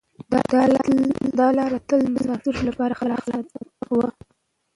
دا لاره تل د مسافرو لپاره خلاصه وي.